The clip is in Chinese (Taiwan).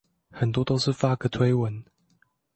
很多都是發個推文